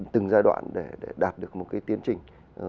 từng giai đoạn để đạt được một cái tiến trình